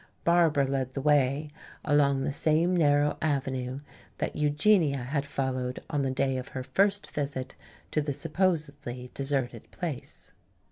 Barbara led the way along the same narrow avenue that Eugenia had followed on the day of her first visit to the supposedly deserted place.